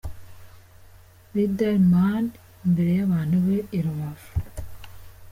Riderman imbere y'abantu be i Rubavu.